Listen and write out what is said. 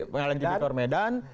pengadilan ketua pemerintah medan